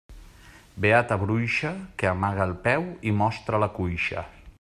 Beata bruixa, que amaga el peu i mostra la cuixa.